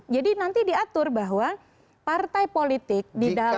jadi nanti diatur bahwa partai politik di dalam